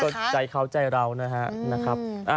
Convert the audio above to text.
ก็ใจเขาใจเรานะครับ